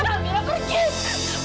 jangan bersinak ibu